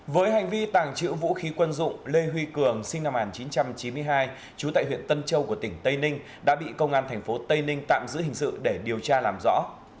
với hành vi tàng trữ vũ khí quân dụng lê huy cường sinh năm một nghìn chín trăm chín mươi hai trú tại huyện tân châu của tỉnh tây ninh đã bị công an tp tây ninh tạm giữ hình sự để điều tra làm rõ